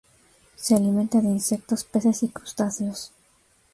Se alimenta de insectos, peces y crustáceos.